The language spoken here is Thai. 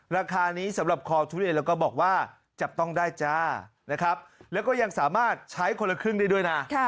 ราคานี้สำหรับคอทุเรียนเราก็บอกว่าจับต้องได้จ้านะครับแล้วก็ยังสามารถใช้คนละครึ่งได้ด้วยนะ